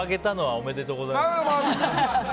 ありがとうございます。